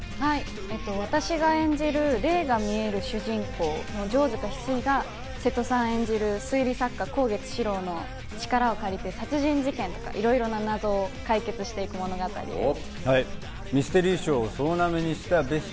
私が演じる霊が視える主人公・城塚翡翠が、瀬戸さん演じる推理作家・香月史郎の力を借りて殺人事件のとか、いろいろ謎を解決していく物語です。